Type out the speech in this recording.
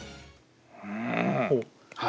うん。